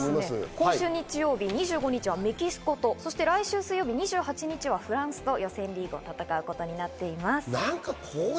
今週日曜２５日はメキシコと来週水曜日２８日はフランスと予選リーグを戦うことになっています。